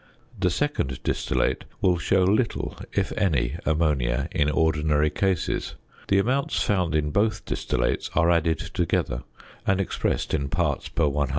The second distillate will show little, if any, ammonia in ordinary cases. The amounts found in both distillates are added together, and expressed in parts per 100,000.